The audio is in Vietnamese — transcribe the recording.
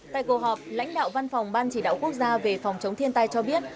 tại cuộc họp lãnh đạo văn phòng ban chỉ đạo quốc gia về phòng chống thiên tai cho biết